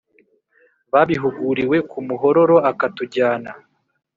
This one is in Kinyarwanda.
babihuguriwe ku muhororo. akatujyana